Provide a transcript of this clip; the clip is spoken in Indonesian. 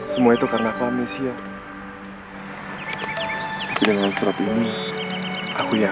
sampai jumpa di video selanjutnya